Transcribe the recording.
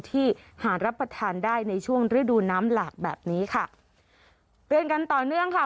ที่หารับประทานได้ในช่วงฤดูน้ำหลากแบบนี้ค่ะเตือนกันต่อเนื่องค่ะ